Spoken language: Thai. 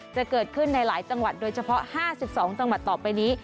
จะเกิดขึ้นในหลายจังหวัดโดยเฉพาะ๕๒จังหวัดต่อไปนี้